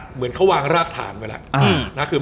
เหมือนเขาวางรากฐานไว้แล้ว